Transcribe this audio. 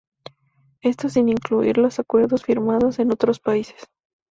Esto sin incluir los acuerdos firmados en otros países.